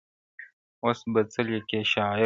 اوس به څه ليكې شاعره-